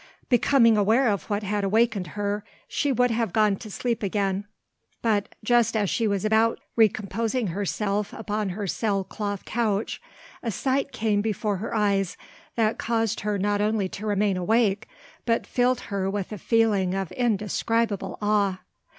Becoming aware of what had awakened her, she would have gone to sleep again; but just as she was about re composing herself upon her sail cloth couch, a sight came before her eyes that caused her not only to remain awake, but filled her with a feeling of indescribable awe.